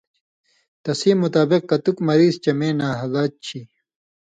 تسِیں مطابق کتُک مریض چے میں نھالہ چھی